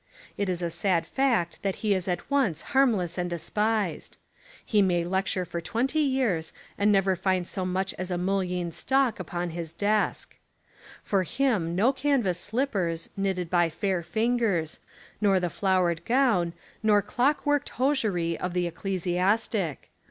It is a sad fact that' he is at once harmless and despised. He may lecture for twenty years and never find so much as a mullein stalk upon his desk. For him no canvas slippers, knitted by fair fingers, nor the flowered gown, nor clock worked hosiery of the ecclesiastic.